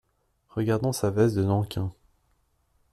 Regardant sa veste de nankin.